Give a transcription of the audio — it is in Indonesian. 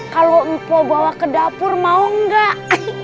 kalau mpo bawa ke dapur mau gak